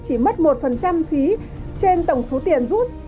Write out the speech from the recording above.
chỉ mất một phí trên tổng số tiền rút